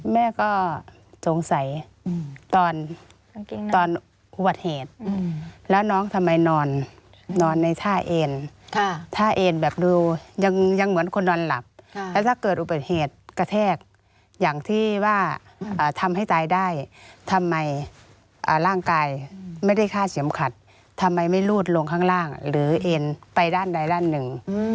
แม่ก็สงสัยตอนอุบัติเหตุแล้วน้องทำไมนอนในท่าเอ็นท่าเอ็นแบบดูยังเหมือนคนนอนหลับแล้วถ้าเกิดอุบัติเหตุกระแทกอย่างที่ว่าทำให้ตายได้ทำไมร่างกายไม่ได้ฆ่าเข็มขัดทำไมไม่รูดลงข้างล่างหรือเอ็นไปด้านใดด้านหนึ่ง